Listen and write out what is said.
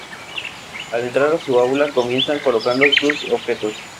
Al entrar a su aula, comienza colocando sus objetos.